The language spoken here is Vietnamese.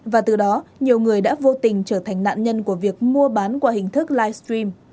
và từ đó nhiều người đã vô tình trở thành nạn nhân của việc mua bán qua hình thức livestream